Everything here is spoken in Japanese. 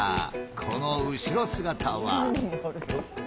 この後ろ姿は。